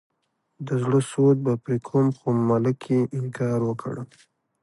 د زده سود به پرې کوم خو ملکې انکار وکړ.